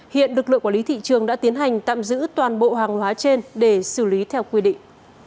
hiện lực lượng quản lý thị trường đã tiến hành tạm giữ toàn bộ hàng hóa trên để xử lý theo quy định